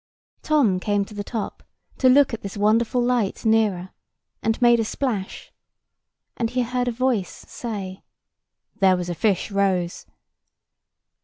Tom came to the top, to look at this wonderful light nearer, and made a splash. And he heard a voice say: "There was a fish rose."